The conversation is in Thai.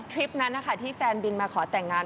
คลิปนั้นนะคะที่แฟนบินมาขอแต่งงาน